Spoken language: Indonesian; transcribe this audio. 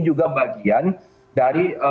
juga bagian dari